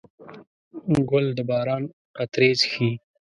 ګل د باران قطرې څښي.